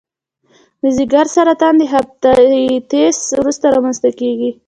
د ځګر سرطان د هپاتایتس وروسته رامنځته کېږي.